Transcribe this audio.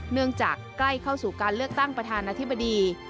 เนื่องจากใกล้เข้าสู่การเลือกตั้งประธานาธิบดี